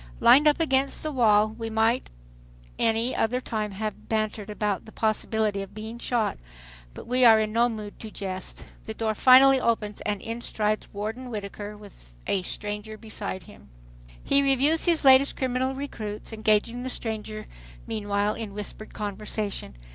Lined up against its wall, we might any other time have bantered about the possibility of being shot, but we are in no mood to jest. The door finally opens and in strides Warden Whittaker with a stranger beside him. He reviews his latest criminal recruits, engaging the stranger meanwhile in whispered conversation.